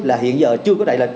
là hiện giờ chưa có đại lịch